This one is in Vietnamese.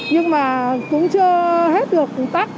nhưng mà cũng chưa hết được ổn tắc